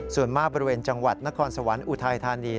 ส่วนมากบริเวณจังหวัดนครสวรรค์อุทัยธานี